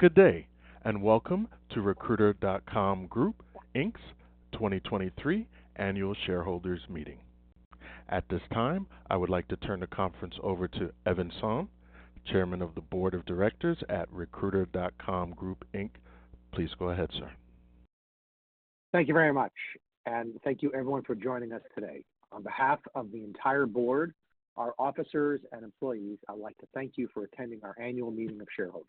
Good day and welcome to Recruiter.com Group Inc.'s 2023 Annual Shareholders Meeting. At this time, I would like to turn the conference over to Evan Sohn, Chairman of the Board of Directors at Recruiter.com Group Inc. Please go ahead, sir. Thank you very much, and thank you everyone for joining us today. On behalf of the entire Board, our officers and employees, I'd like to thank you for attending our annual meeting of shareholders.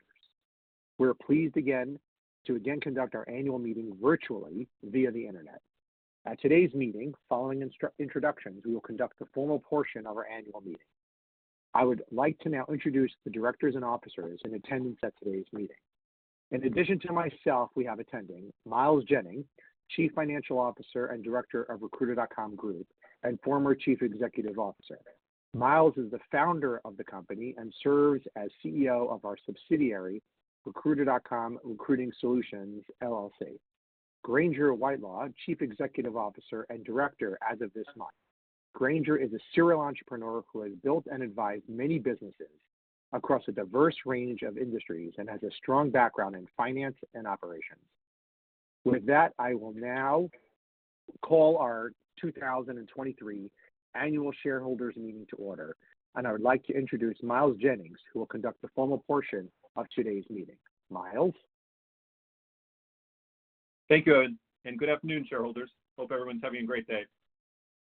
We're pleased again to again conduct our annual meeting virtually via the internet. At today's meeting, following introductions, we will conduct the formal portion of our annual meeting. I would like to now introduce the directors and officers in attendance at today's meeting. In addition to myself, we have attending Miles Jennings, Chief Financial Officer and Director of Recruiter.com Group and former Chief Executive Officer. Miles is the founder of the company and serves as CEO of our subsidiary, Recruiter.com Recruiting Solutions LLC. Granger Whitelaw, Chief Executive Officer and Director as of this month. Granger is a serial entrepreneur who has built and advised many businesses across a diverse range of industries and has a strong background in finance and operations. With that, I will now call our 2023 Annual Shareholders Meeting to order, and I would like to introduce Miles Jennings, who will conduct the formal portion of today's meeting. Miles? Thank you, and good afternoon, shareholders. Hope everyone's having a great day.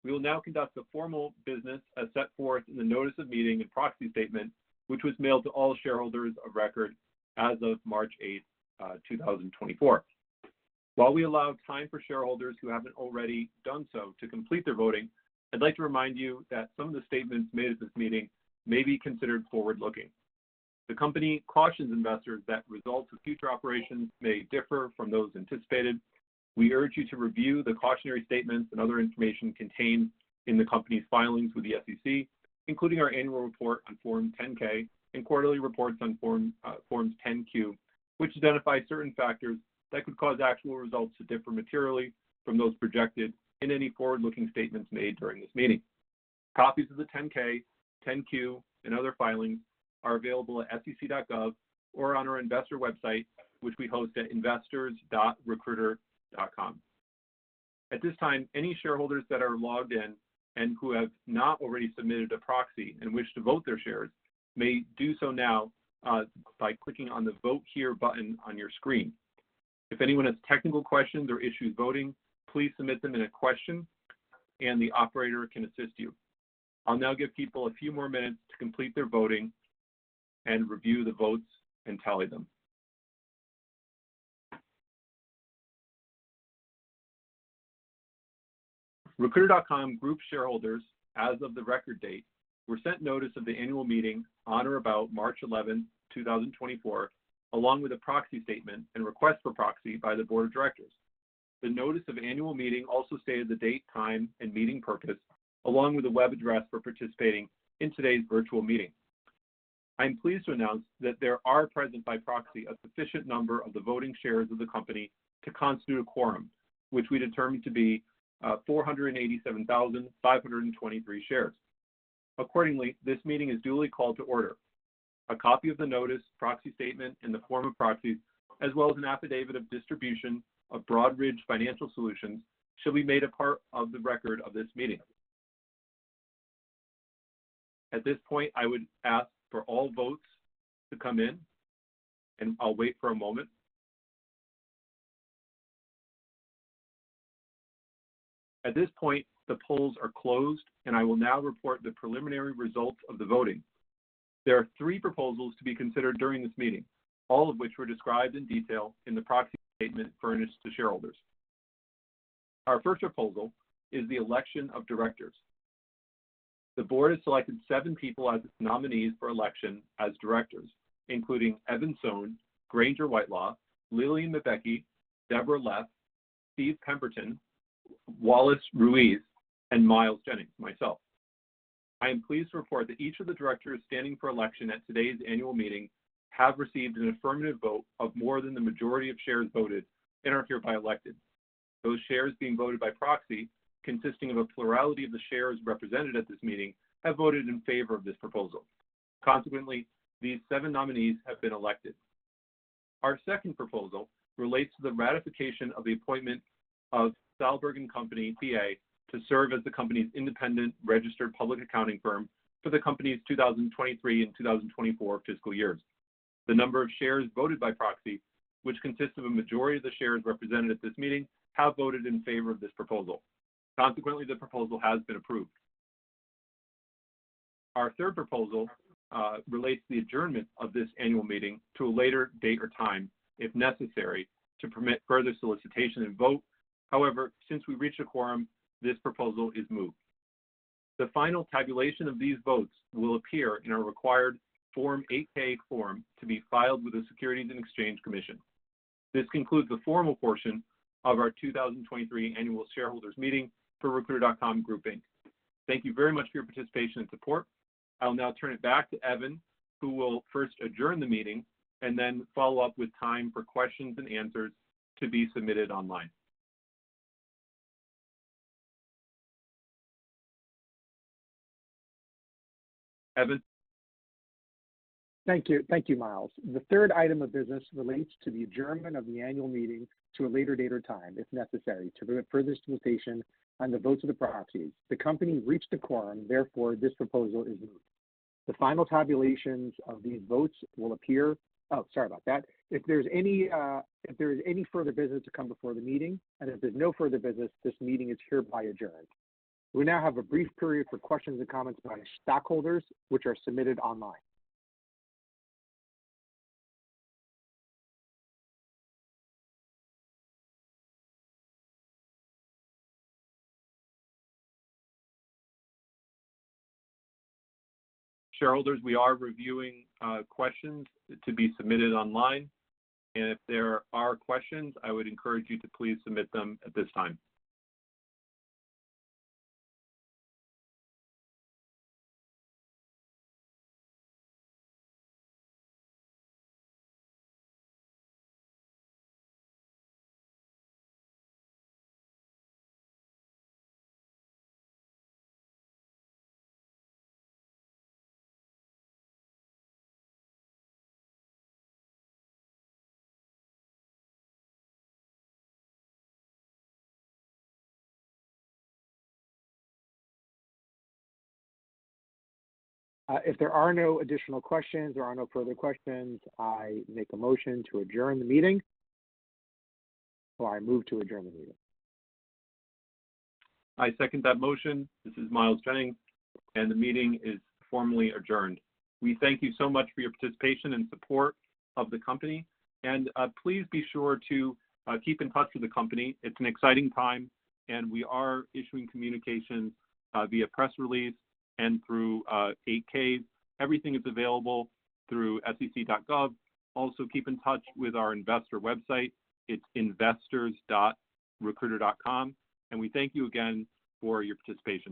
We will now conduct the formal business as set forth in the notice of meeting and proxy statement, which was mailed to all shareholders of record as of March 8, 2024. While we allow time for shareholders who haven't already done so to complete their voting, I'd like to remind you that some of the statements made at this meeting may be considered forward-looking. The company cautions investors that results of future operations may differ from those anticipated. We urge you to review the cautionary statements and other information contained in the company's filings with the SEC, including our annual report on Form 10-K and quarterly reports on Forms 10-Q, which identify certain factors that could cause actual results to differ materially from those projected in any forward-looking statements made during this meeting. Copies of the 10-K, 10-Q, and other filings are available at SEC.gov or on our investor website, which we host at Investors.Recruiter.com. At this time, any shareholders that are logged in and who have not already submitted a proxy and wish to vote their shares may do so now by clicking on the "Vote Here" button on your screen. If anyone has technical questions or issues voting, please submit them in a question, and the operator can assist you. I'll now give people a few more minutes to complete their voting and review the votes and tally them. Recruiter.com Group shareholders, as of the record date, were sent notice of the annual meeting on or about March 11, 2024, along with a proxy statement and request for proxy by the Board of Directors. The notice of annual meeting also stated the date, time, and meeting purpose, along with a web address for participating in today's virtual meeting. I am pleased to announce that there are present by proxy a sufficient number of the voting shares of the company to constitute a quorum, which we determined to be 487,523 shares. Accordingly, this meeting is duly called to order. A copy of the notice, proxy statement, and the form of proxy, as well as an affidavit of distribution of Broadridge Financial Solutions, shall be made a part of the record of this meeting. At this point, I would ask for all votes to come in, and I'll wait for a moment. At this point, the polls are closed, and I will now report the preliminary results of the voting. There are three proposals to be considered during this meeting, all of which were described in detail in the proxy statement furnished to shareholders. Our first proposal is the election of directors. The Board has selected seven people as its nominees for election as directors, including Evan Sohn, Granger Whitelaw, Lilian Mbeki, Deborah Leff, Steve Pemberton, Wallace Ruiz, and Miles Jennings, myself. I am pleased to report that each of the directors standing for election at today's annual meeting have received an affirmative vote of more than the majority of shares voted in our hereby elected. Those shares being voted by proxy, consisting of a plurality of the shares represented at this meeting, have voted in favor of this proposal. Consequently, these seven nominees have been elected. Our second proposal relates to the ratification of the appointment of Salberg & Company, P.A., to serve as the company's independent registered public accounting firm for the company's 2023 and 2024 fiscal years. The number of shares voted by proxy, which consists of a majority of the shares represented at this meeting, have voted in favor of this proposal. Consequently, the proposal has been approved. Our third proposal relates to the adjournment of this annual meeting to a later date or time, if necessary, to permit further solicitation and vote. However, since we reached a quorum, this proposal is moot. The final tabulation of these votes will appear in our required Form 8-K form to be filed with the Securities and Exchange Commission. This concludes the formal portion of our 2023 Annual Shareholders Meeting for Recruiter.com Group, Inc. Thank you very much for your participation and support. I'll now turn it back to Evan, who will first adjourn the meeting and then follow up with time for questions and answers to be submitted online. Evan. Thank you. Thank you, Miles. The third item of business relates to the adjournment of the annual meeting to a later date or time, if necessary, to permit further solicitation on the votes of the proxies. The company reached a quorum. Therefore, this proposal is moot. The final tabulations of these votes will appear. Oh, sorry about that. If there's any further business to come before the meeting, and if there's no further business, this meeting is hereby adjourned. We now have a brief period for questions and comments by stockholders, which are submitted online. Shareholders, we are reviewing questions to be submitted online, and if there are questions, I would encourage you to please submit them at this time. If there are no additional questions or no further questions, I make a motion to adjourn the meeting, or I move to adjourn the meeting. I second that motion. This is Miles Jennings, and the meeting is formally adjourned. We thank you so much for your participation and support of the company, and please be sure to keep in touch with the company. It's an exciting time, and we are issuing communications via press release and through 8-Ks. Everything is available through SEC.gov. Also, keep in touch with our investor website. It's Investors.Recruiter.com, and we thank you again for your participation.